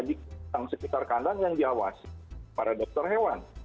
di sekitar kandang yang diawasi para dokter hewan